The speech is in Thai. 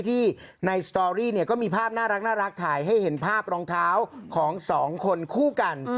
ที่ในสตอรี่เนี่ยก็มีภาพน่ารักถ่ายให้เห็นภาพรองเท้าของสองคนคู่กัน